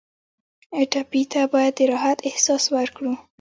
ټپي ته باید د راحت احساس ورکړو.